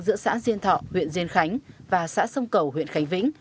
giữa xã diên thọ huyện diên khánh và xã sông cầu huyện khánh vĩnh